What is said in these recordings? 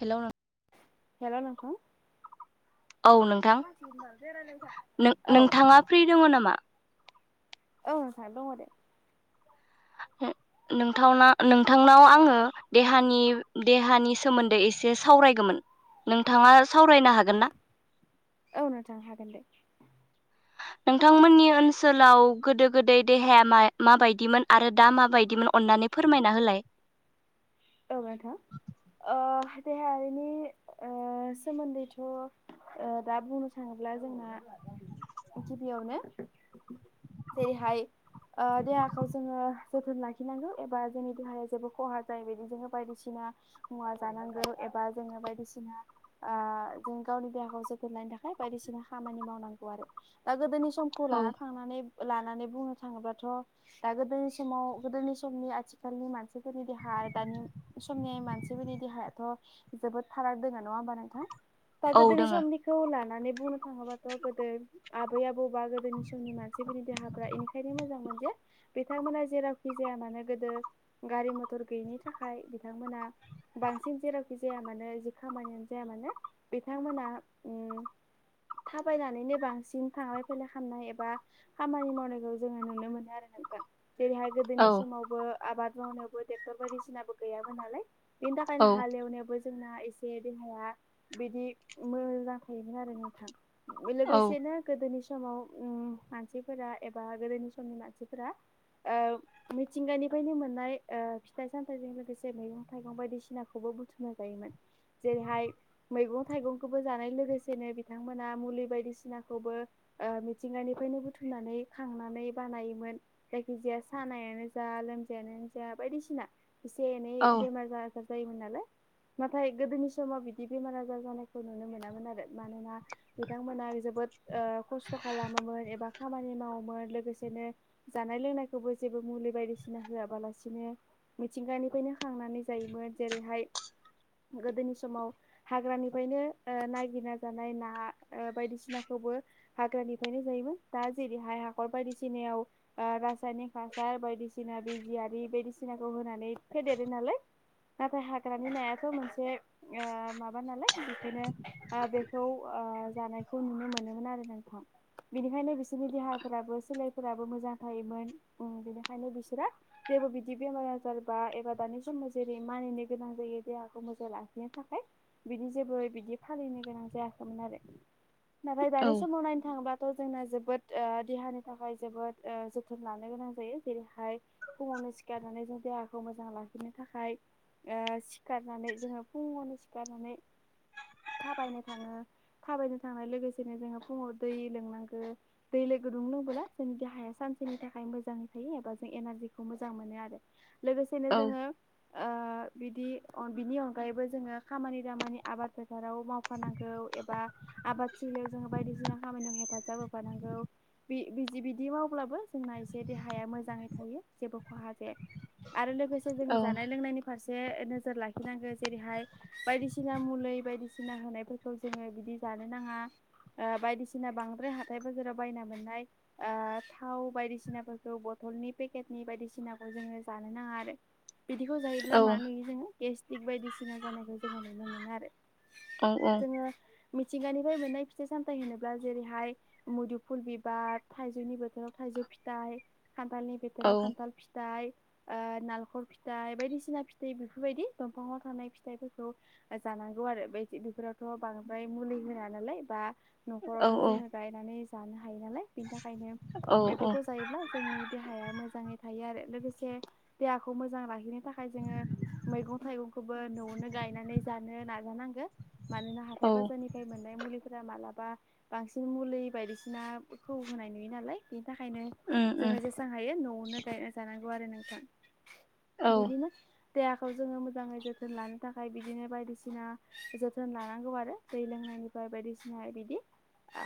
Hello नोंथां hello नोंथां औ नोंथां औ नोंथाङा फ्रि दङ नामा औ नोंथां‌ दङ दे [unintelligible] नोंथावना नोंथांनाव आङो देहानि देहानि सोमोन्दै एसे सावरायगोमोन नोंथाङा सावरायनो हागोन ना औ नोंथां हागोन दे [inaudible] नोंथांमोननि ओनसोलाव गोदो गोदै देहाया मा माबायदिमोन आरो दा माबायदिमोन अननानै फोरमायना होलाय औ नोंथां ओ देहायारिनि ओ सोमोन्दैथ' ओ दा बुंनो थाङोब्ला जोंना गिबियावनो जेरै हाय ओ देहाखौ जोङो जोथोन लाखिनांगौ एबा जोंनि देहाया जेबो खहा जायो। जोङो बायदिसिना मुवा जानांगौ एबा जोङो बायदिसिना आ जों गावनि देहाखौ जोथोन लानायनि थाखाय बायदिसिना खामानि मावनांगौ आरो दा गोदोनि समखौ लाना औ थांनानै। लानानै बुंनो थाङोब्लााथ‌ दा गोदोनि समाव गोदोनि समनि आथिखालनि मानसिफोरनि देहा दानि समनि मानसिफोरनि देहायाथ जोबोद फाराग दोङो नङा होमबा नोंथां। दा गोदोनि दोङो समनिखौ लानानै बुंनो थाङोबाथ‌ गोदो आबै आबौ बा गोदोनि समनि मानसिफोरनि देहाफ्रा इनिखायनो मोजां मोजांमोन। यो बिथांमोना जेरावखि जाया मानो गोदो गारि मथर गैयिनि थाखाय। थाखाय बिथांमोना बांसिन जेरावखि जाया मानो जि खामानियानो जाया मानो बिथांमोना आ उम थाबायनानैनो बांसिन थांलाय फैलाय खामनाय एबा खामानि मावनायखौ जोङो नुनो मोनो आरो। नोंथां [inaudible] जेरैहाय गोदोनि औ समावबो आबाद मावनायावबो ट्रेक्टर बायदिसिनाबो गैयामोन नालाय बेनि औ थाखायनो हालेवनायाबो जोंना एसे देहाया बिदि मोजां थायोमोन आरो नोंथां औ लोगोसेनो गोदोनि सुबु समाव उम मानसिफोरा एबा गोदोनि समनि मानसिफोरा ओ‌ मिथिंगानिफ्रायनो मोननाय ओ फिथाय सामथाय सामथायजों लोगोसे मैगं थाइगं बायदिसिनाखौबो बुथुमना जायोमोन जेरैहाय मैगं थाइगं खौबो जानाय लोगोसेनो बिथांमोना मुलि बायदिसिनाखौबो ओ मिथिंगानिफायनो बुथुमनानै नै खांनानै बानायोमोन जायखिजाया सानायानो जा लोमजायानो जा बायदिसिना एसे एनै औ बेमार आजार जायोमोन नालाय नाथाय गोदोनि समाव बिदि बेमार आजार जानायखौ नुनो मोनामोन आरो। मानोना बिथांमोना जोबोद ओ‌ खस्थ खालामोमोन एबा खामानि मावोमोन लोगोसेनो जानाय लोंनायखौबो जेबो मुलि बायदिसिना होआबालासिनो मिथिंगानिफायनो खांनानै जायोमोन जेरैहाय गोदोनि समाव हाग्रानिफायनो नायगिरना जानाय ना ओ बायदिसिनाखौ खौबो हाग्रानिफ्रायनो जायोमोन दा जेरै हाय हाखर बायदिसिनायाव आ रासायनिक हासार बायदिसिना बिजियारि बायदिसिना ज होनानै फेदेरो नालाय नाथाय हाग्रानि नायाथ मोनसे ओ माबा नालाय बिदिनो आ बे [inaudible] जानायखौ नुनो मोनोमोन आरो नोंथां। बिनिखायनो बिसोरनि देहाफोराबो सोलेरफोराबो मोजां थायोमोन उम बिनिखायनो बिसोरा जेबो बिदि बेमार आजार बा एबा दानि समाव जेरै मानिनो गोनां जायो देहाखौ मोजां लाखिनो थाखाय बि दि जेबो बिदि फालिनो गोनां जायाखैमोन आरो नाथाय औ दानि समाव नायनो थाङोबा थ' जोंना जोबोद ओ देहानि थाखाय जोबोद ओ जोथोन लानो गोनां जायो जेरैहाय फुंआवनो सिखारनानै जों देहाखौ मोजां लाखिनो थाखाय ओ सिखारनानै जोङो फुङावनो सिखारनानै [inaudible] थाबायनो थाङो थाबायनो थांनाय लोगोसेनो जोंङो फुङाव दै लोंनांगो दै लों गुदुं लोंबोला जोंनि देहाया सानसेनि थाखाय मोजाङै थायो एबा जों एनारजिखौ मोजां मो नो आरो लोगोसेनो जोङो ओ बिदि बिनि अनगायैबो जोङो खामानि दामानि आबाद फोथाराव मावफानांगौ एबा आबादथिलियाव जों बायदिसिना खामानियाव हेफाजाब होफानांगौ बिदि मावब्लाबो जोंना खायसे देहाया मोजाङै थायो जेबो खहा जाया आरो लोगोसे औ जोङो जानाय लोंनायनि फार से नोजोर लाखिनांगौ जेरैहाय बायदिसिना मुलि बायदिसिना होनायफोरखौ जोङो बिदि जा जानो नाङा ओ बायदिसिना बांद्राय हाथाय बाजाराव बायना मोननाय ओ थाव बायदिसिनाफोरखौबो बथ'लनि पेकेटनि बायदिसिनाखौ जोङो जानो नाङा आरो बिदिखौ जायोब्ला औ मा नुयो जोङो गेस्टिक बायदिसिना जानायखौ जोङो नुनो मोनो आरो औ जोङो मिथिंगानिफ्राय मोननाय फिथाइ सामथायाइ होनोब्ला जेरैहाय मुदुफुल बिबार थाइजौनि बोथोराव थाइ जौ फिथाइ खान्थालनि बोथोराव औ खान्थाल फि थाइ ओ नालेंखर फिथाइ बायदिसिना फिथाइ बेफोरबायदि दंफाङाव थानाय फिथाइफोरखौ जानांगौ आरो बे बेफोरावथ' बांद्राय मुलि होआ नालाय बा औ न'खरावनो जोङो गायनानै जानो हा यो नालाय बिनि थाखायनो औ औ बेफोरखौ जायोब्ला जोंनि देहाया मोजाङै थायो आरो लोगोसे देहाखौ मोजां लाखिनो थाखाय जोङो मैगं थाइगंखौबो न'आवनो गायनानै लानो नांजानांगोन मानोना हथाय औ बाजारनि मोननाय मुलि फोरा मालाबा बांसिन मुलि बायदिसिनाखौ होनाय नुयो नालाय बेनि थाखायनो उम जोङो उम जेसेबां हायो न'आवनो गायना जानांगौ आरो नोंथां। औ मोनोना देहाखौ जोङो मोजाङै जोथोन लानो थाखाय बिदिनो बायदिसिना जोथोन लानांगौ आरो दै लोंनाय निफ्राय बायदिसिना बिदि ओ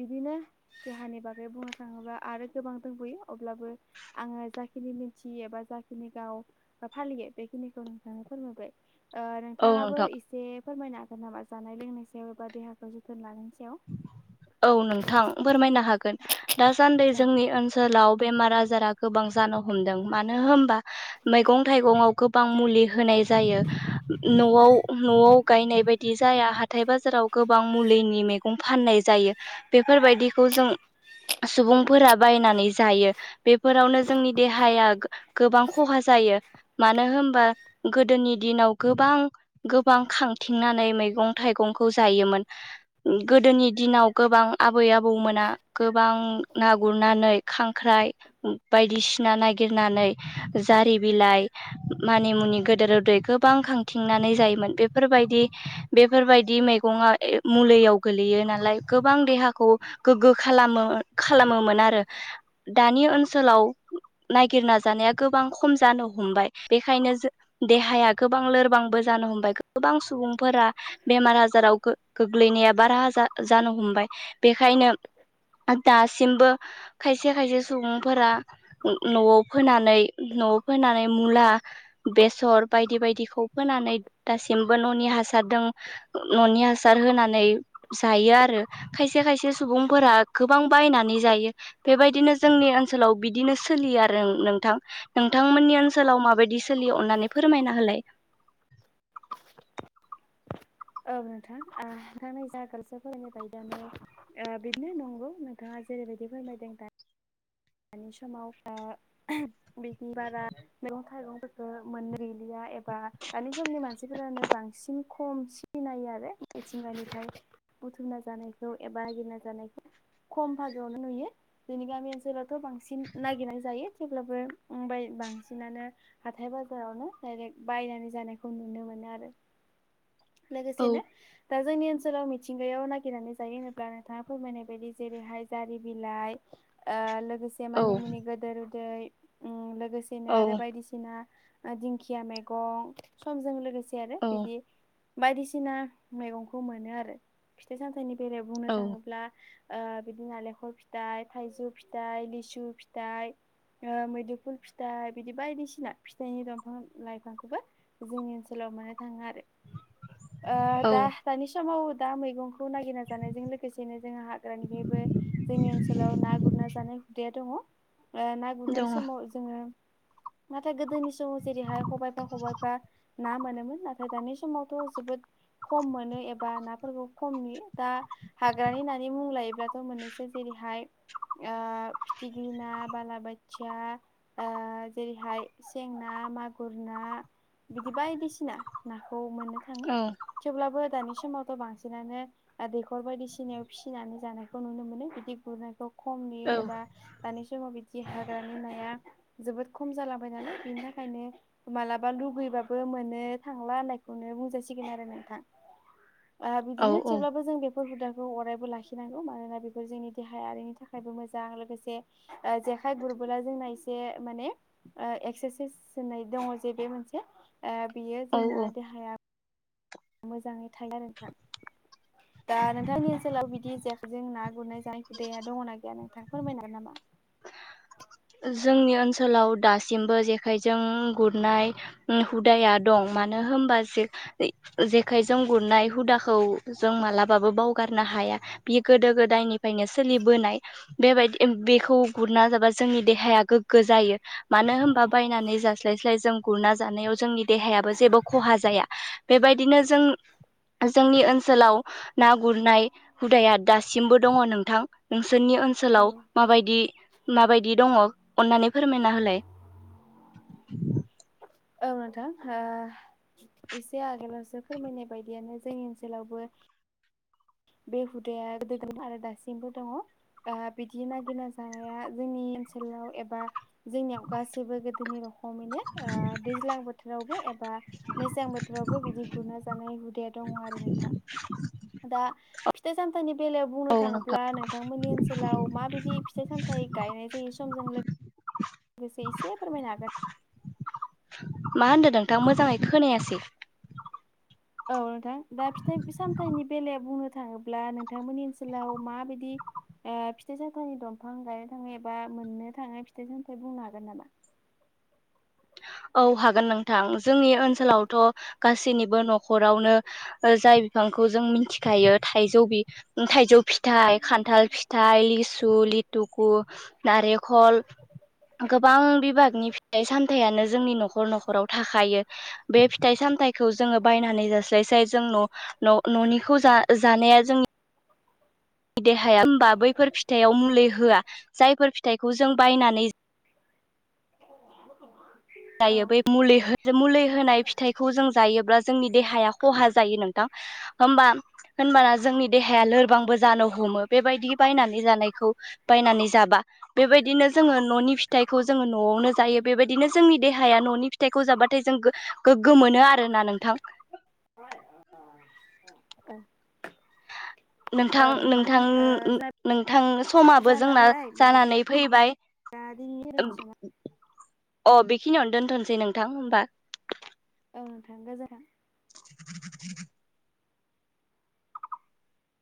बिदिनो देहानि बागै बुंनो थाङोब्ला आरो गोबां दंबोयो अब्लाबो आङो जाखिनि मिथियो एबा जाखिनि गाव फालियो बेखिनिखौ नोंथांनो फोरमायबाय ओ औ नोंथां नोंथाङाबो एसे फोरमायनो हागोन नामा जानाय लोंनाय सायाव एबा देहाखौ जोथोन लानायनि सायाव औ नोंथां फोरमायनो हागोन दासान्दि जोंनि ओनसोलाव बेमार आजारा गोबां जानो हमदों मानो होमबा मैगं थाइगंआव गोबां मुलि होनाय जायो न'आव न'आव गायनाय बायदि जाया हाथाय बाजाराव गोबां मुलिनि मेगं फाननाय जायो बेफोरबायदिखौ जों सुबुंफोरा बायनानै जायो बेफोरावनो जोंनि देहाया गोबां खहा जा जायो मानो होनबा गोदोनि दिनाव गोबां गोबां खांथिंनानै मैगं मैगं थाइगंखौ जायोमोन। गोदोनि दिनाव गोबां आबै आबौमोना गोबां ना गुरनानै खांख्राइ बायदिसिना नागिरनानै जारि बिलाइ मानि मुनि गोदेर गोबां खांथिंनानै जायोमोन बेफोरबायदि बेफोरबायदि मैगंआ मुलियाव गोलैयो नालाय गोबां देहाखौ गोग्गो खालामो खालामोमोन आरो दानि ओनसोलाव नायागिरना जानाया गोबां खम जानो हमबाय बेखायनो जोंनि देहाया गोबां लोरबांबो जानो हम गोबां सुबुंफोरा बेमार आजाराव गोग्लैनाय जानो हमबाय बेखायनो दासिमबो खायसे खायसे सुबुंफोरा न'आव फोनानै न'आव फोनानै मुला बेसर बायदि बायदिखौ फोनानै दासिमबो न'नि हासार न'नि हासार होनानै जायो आरो खायसे खायसे सुबुंफोरा गोबां बायनानै जायो बेबायदिनो जोंनि ओनसोलाव बिदिनो सोलियो आरो नोंथां नोंथांमोननि ओनसोलाव माबायदि सोलियो अननानै फोरमायना होलाय [unintelligible] औ नोंथां नोंथांनि जा [unintelligible] फरायनाय बायदियानो बिदिनो नंगौ नोंथाङा जेरैबायदि फोरमायदों दा दानि समाव दा बिनि बारा मैगं थाइगंफोरखौ मोननो गैलिया बा दानि समनि मानसिफोरानो बांसिन खम सिनायो आरो मिथिंगानिफ्राय बुथुमना जानायखौ एबा नागिरना जा खम भागो आवनो नुयो बेनि गामि ओनसोलाव बांसिन नागिरनाय जायो जेब्लाबो ओम बांसिनानो हाथाय बाजारावनो दायरेक्ट बायनानै जानायखौ नुनो मोनो आरो [unintelligible] औ लोगोसेनो जोंनि ओनसोलाव मिथिंगायाव नागिरनानै जायो होनोब्ला नोंथाङा फोरमायनाय बायदि जेरैहाय जारि बिलाइ ओ लोगोसे औ मानि मुनि गोदोर उदै लोगोसेनो आरो औ बायदिसिना दिंखिया मैगं समजों लोगोसे आरो बिदि औ बायदिसिना मैगंखौ मोनो आरो फिथाइ सामथाइनि बेलायाव बुंनो थाङोब्ला ओ बिदि नालेंखर फिथाइ थाइजौ फिथाइ लिसु फिथाइ मैदुफुल फिथाइ बिदि बायदिसिना फिथाइनि दंफां लाइफांखौबो जोंनि ओनसोलाव थाङो आरो औ दा दानि समाव दा मैगंखौ नागिरना जानायजों लोगोसेनो जोंङो हाग्रानिबो जोंनि ओनसोलाव ना गुरना जानाय हुदाया दङ ओ ना गुरनाय दङ औ समाव जोङो नाथाय गोदोनि समाव जेरैहाय खबायफा खबायफा ना मोनो नाथाय दानि समावथ' जोबोद खम मोनो एबा नाफोरखौ खम नुयो दा हाग्रानि नानि मुं लायोब्लाथ' मोननैसो जेरैहाय ओ फिथिख्रि ना बालाबाय खोथिया ओ जेरैहाय सें ना मागुर ना बिदि बायदिसिना नाखौ मोननो थाङो औ थेवब्लाबो दानि बे समावथ' बांसिनानो दैखर बायदिसिनायाव फिसिनानै जानायखौ नुनो मोनो बिदि गुरनायखौ खम नुयो एबा दानि समाव बिदि हाग्रानि नाया जोबोद खम जालांबाय नालाय बिनि थाखायनो माबा लुुबैबाबो मोनो थांला होननायखौनो बुंजासिगोन आरो नोंथां [unintelligible] आ बिदिनो थेवब्लाबो जों बे बेफोर हुदाखौ अरायबो लाखिनांगौ मानोना बेफोर जोंनि देहायारिनि थाखायबो मोजां लोगोसे जेखाय गुरबोला जोंना एसे माने एक्सेसाइस होननाय दङ जे बे मोनसे बियो औ जोंना औ देहाया मोजाङै थायो नोंथां दा नोंथांनि ओनसोलाव बिदि जेखाइजों ना गुरनाय जाय हुदाया दङना गैया नोंथां फोरमायनो हागोन नामा [unintelligible] जोंनि ओनसोलाव दासिमबो जेखाइजों गुरनाय हुदाया दं मानो होनबा जेखायजों गुरनाय हुदाखौ जों मालाबाबो बावगारनो हाया बियो गोदो गोदायनिफ्रायनो सोलिबोनाय बेबायदि बेखौ गुरना जाबा जोंनि देहाया गोग्गो जायो मानो होनबा बायनानै जास्लायस्लाय जों गुरना जानायाव जोंनि देहायाबो जेबो खहा जाया बेबायदिनो जों जोंनि ओनसोलाव ना गुरनाय हुदाया दासिमबो दङ नोंथां नों जोंनि औ ओनसोलाव माबायदि माबायदि दङ अननानै फोरमायना होलाय? औ नोंथां हो एसे आगोलावसो फोरमायनाय बायदियानो जोंनि ओनसोलावबो। बे हुदाया गोदो गोन आरो दासिमबो दङ' ओ बिदि नागिरना जानाया जोंनि ओनसोलाव एबा जोंनियाव गासैबो गोदोनि रखमैनो ओ दैज्लां बोथोरावबो एबा मेसें बोथोराव [inaudible] बिदि गुरना जानाय हुदाया दङ आरो नोंथां। [inaudible] फथा जानथानि बेलायाव बुंनो औ नोंथां थाङोब्ला नोंथांमोननि ओनसोलाव माबायदि फिथाइ सामथायाइ गायनाय जाय समजों सम'जों लोग गोसे एसे फोरमायनो हागोन। मा होन्दों नोंथां मोजाङै खोनायासै? औ नोंथां दा फिथाइ सामथाइनि बेलायाव बुंनो थाङोब्ला नोंथांमोननि ओनसोलाव माबायदि? ओ फिथाइ सामथाइनि दंफां गायनो थाङो ए बा मोननो थाङो फिथाइ सामथायाइ बुंनो हागोन नामा? [inaudible] औ हागोन नोंथां जोंनि ओनसोलावथ' गासैनिबो न'खरावनो जाय जाय बिफांखौ जों मिथिखायो थायजै बि थायजै फिथाय खान्थाल फिथाय लिसु ल लिटक नारेखल गोबां बिबागनि फिथाय सामथायानो जोंनि न'खर न'खराव थाखायो बे फिथाइ सामथायाइखौ जोङो बायनानै जास्लायस्लाय जों न' न' न'निखौ जा जानाया जों देहाया होमबा बैफोर फिथाइआव मुलि होआ जायफोर फिथाइखौ जों बायनानै [inaudible] औ जायो बै मुलिहो मुलि होनाय फिथाइखौ जों जायोब्ला जोंनि देहाया खहा जायो नोंथां। होमबा होमबा जोंनि औ देहाया लोरबांबो जानो हमो बेबादि बायबनानै जानायखै बायनानै जाबा बेबायदिनो जोङो निनि फथायखै जा [inaudible] न'आवनो जायो बेबायदिनो जोंनि देहाया न'नि फिथाइखौ जाबाथाय जों गो गोगो मोनो आरोोना नोंथां। [inaudible] ए नोंथां नोंथां नोंथां समाबो जोंना जानानै फैबाय। दा [inaudible] [inaudible] अ' बेखिनियावनो दोनथ'सै नोंथां होमबा। ओं थांगा जोदों [inaudible]